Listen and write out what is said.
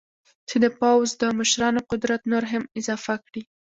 چې د پوځ د مشرانو قدرت نور هم اضافه کړي.